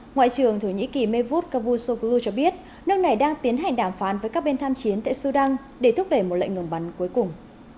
ngoại trưởng thổ nhĩ kỳ mevut cavusogu cho biết nước này đang tiến hành đàm phán với các bên tham chiến tại sudan để thúc đẩy một lệnh ngừng bắn cuối cùng